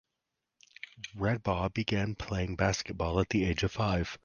Radebaugh began playing basketball at the age of five.